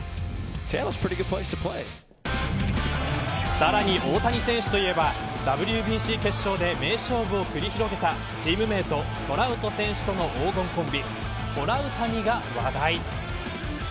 さらに大谷選手といえばＷＢＣ決勝で名勝負を繰り広げたチームメートトラウト選手との黄金コンビトラウタニが話題。